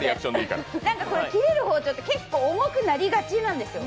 切れる包丁って結構重くなりがちなんですよ。